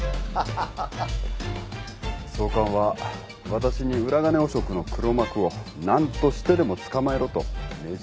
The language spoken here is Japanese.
総監はわたしに裏金汚職の黒幕を何としてでも捕まえろと命じられた。